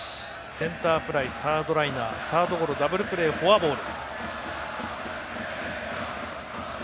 センターフライ、サードライナーダブルプレー、フォアボール。